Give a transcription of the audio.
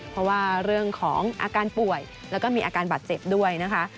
เพราะว่าเรื่องของอาการป่วยแล้วก็มีอาการบาดเจ็บด้วยนะคะ